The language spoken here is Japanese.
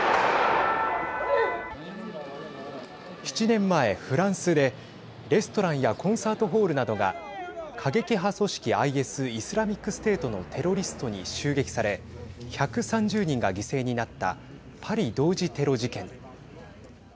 ７年前、フランスでレストランやコンサートホールなどが過激派組織ＩＳ＝イスラミックステートのテロリストに襲撃され１３０人が犠牲になったパリ同時テロ事件。